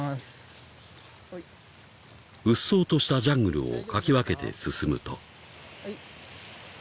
［うっそうとしたジャングルをかき分けて進むと］